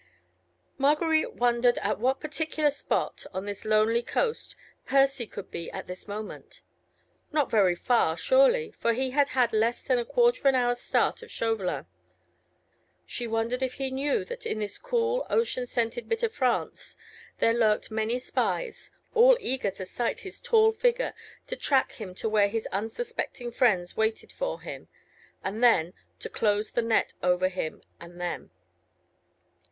Marguerite wondered at what particular spot, on this lonely coast, Percy could be at this moment. Not very far surely, for he had had less than a quarter of an hour's start of Chauvelin. She wondered if he knew that in this cool, ocean scented bit of France, there lurked many spies, all eager to sight his tall figure, to track him to where his unsuspecting friends waited for him, and then, to close the net over him and them.